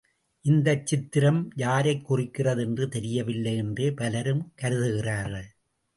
இந்தச் சித்திரம் யாரைக் குறிக்கிறது என்று தெரியவில்லை என்றே பலரும் கருதுகிறார்கள்.